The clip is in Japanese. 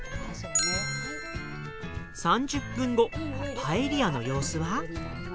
３０分後パエリアの様子は？